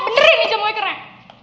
beneran ini jam gue keren